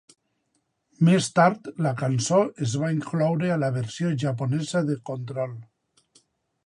Més tard, la cançó es va incloure a la versió japonesa de Control.